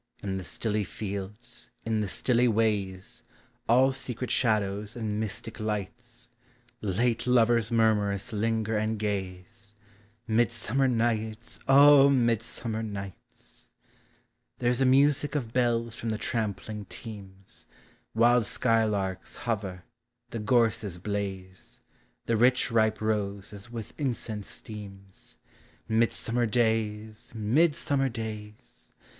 In the stilly fields, in the stilly ways, All secret shadows and mystic lights, Late lovers murmurous linger and gaze — Midsummer nights ! O midsummer nights ! TEE SEASONS. 113 There 's a music of bells from the trampling teams, Wild skylarks hover, the gorses blaze, The rich ripe rose as with incense steams — Midsummer days! midsummer days!